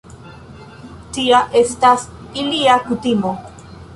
Tia estas ilia kutimo.